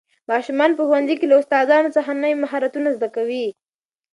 ماشومان په ښوونځي کې له استادانو څخه نوي مهارتونه زده کوي